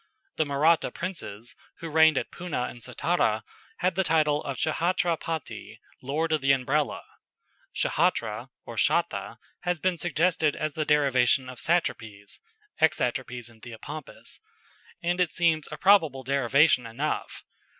The Mahratta princes, who reigned at Poonah and Sattara, had the title of Ch'hatra pati, "Lord of the Umbrella." Ch'hatra or cháta has been suggested as the derivation of satrapaes (exatrapaes in Theopompus), and it seems a probable derivation enough.